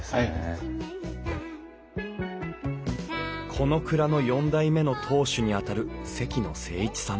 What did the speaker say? この蔵の４代目の当主にあたる関野静一さん。